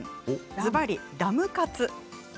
ずばりダム活。